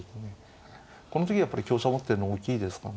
この次やっぱり香車を持ってるの大きいですかね。